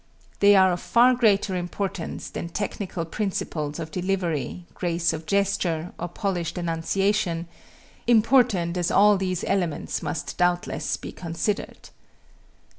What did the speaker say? They are of far greater importance than technical principles of delivery, grace of gesture, or polished enunciation important as all these elements must doubtless be considered.